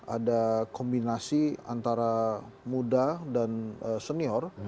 ada kombinasi antara muda dan senior